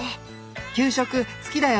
給食好きだよ。